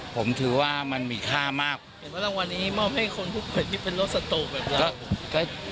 ผมถือว่ามันมีค่ามากเห็นว่ารางวัลนี้มอบให้คนภูเก็ตที่เป็นรถสตูแบบเนี้ย